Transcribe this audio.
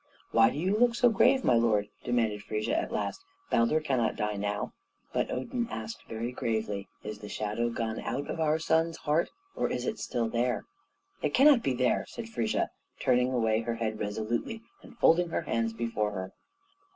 "Why do you look so grave, my lord?" demanded Frigga at last. "Baldur cannot die now." But Odin asked very gravely, "Is the shadow gone out of our son's heart, or is it still there?" "It cannot be there," said Frigga, turning away her head resolutely, and folding her hands before her.